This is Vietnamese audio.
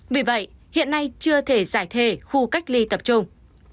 vì vậy hiện nay chưa thể giải thề khu cách ly tập trung